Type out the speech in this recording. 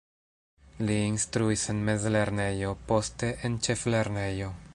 Li instruis en mezlernejo, poste en ĉeflernejo.